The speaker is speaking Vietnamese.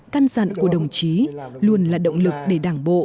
căn dặn của đồng chí luôn là động lực để đảng bộ